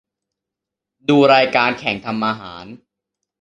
ดูรายการแข่งทำอาหาร